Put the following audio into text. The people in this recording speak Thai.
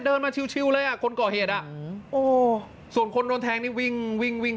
เดินมาชิวเลยอ่ะคนก่อเหตุอ่ะโอ้โหส่วนคนโดนแทงนี่วิ่งวิ่ง